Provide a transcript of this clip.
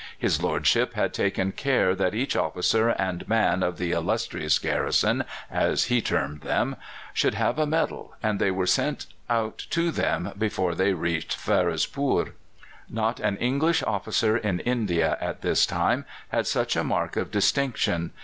His lordship had taken care that each officer and man of the "illustrious garrison," as he termed them, should have a medal, and they were sent out to them before they reached Ferozepoor. Not an English officer in India at this time had such a mark of distinction.